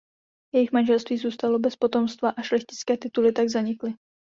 Jejich manželství zůstalo bez potomstva a šlechtické tituly tak zanikly.